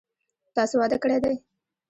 تاسو واده کړی دی؟